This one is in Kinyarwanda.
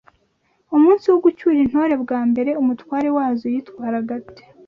Umunsi wo gucyura intore bwa mbere umutware wazo yitwaraga ate